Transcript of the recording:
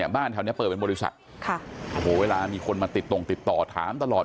บ้านแถวนี้เปิดเป็นบริษัทโอ้โหเวลามีคนมาติดตรงติดต่อถามตลอด